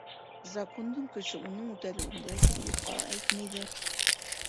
Закондың көсө — уның үтәлеүендә, тип юҡҡа әйтмәйҙәр.